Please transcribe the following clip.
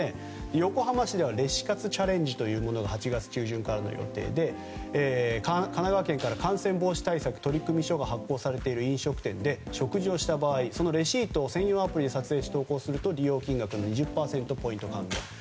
横浜市ではレシ活チャレンジというものが８月中旬からの予定で神奈川県から感染防止対策取組書が発行されている飲食店で食事をした場合そのレシートを専用アプリで撮影し投稿すると利用金額の２０％をポイント還元だと。